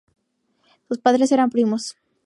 Sus padres eran primos.